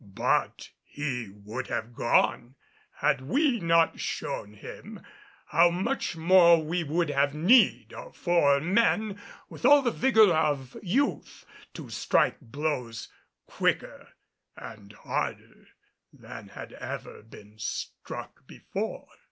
But he would have gone had we not shown him how much more we would have need for men with all the vigor of youth, to strike blows quicker and harder than had ever been struck before.